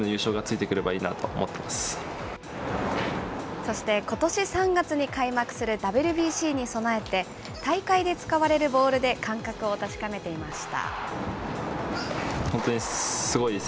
そしてことし３月に開幕するＷＢＣに備えて、大会で使われるボールで感覚を確かめていました。